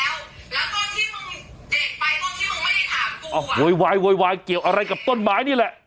แล้วต้นที่มึงเด็กไปต้นที่มึงไม่ได้ถามกูอ่ะหวยหวายหวยหวายเกี่ยวอะไรกับต้นไม้นี่แหละ